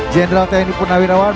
general tni purnamirawan